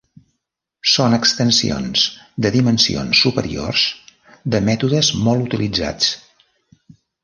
Són extensions de dimensions superiors de mètodes molt utilitzats.